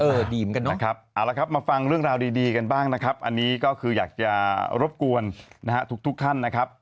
เอาละครับมาฟังเรื่องราวดีกันบ้างนะครับอันนี้ก็คืออยากจะรบกวนทุกท่านนะครับ